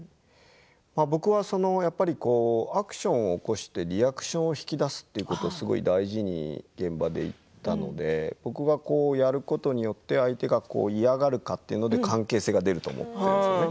僕はアクションを起こしてリアクションを引き出すということをすごい大事に現場でやったので僕がこうやることによって相手が嫌がるかというので関係性が出ると思っているんですよね。